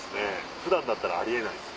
普段だったらあり得ないですね